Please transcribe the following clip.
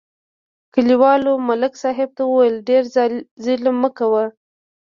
کلیوالو ملک صاحب ته وویل: ډېر ظلم مه کوه